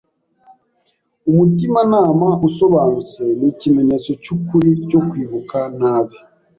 Umutimanama usobanutse nikimenyetso cyukuri cyo kwibuka nabi.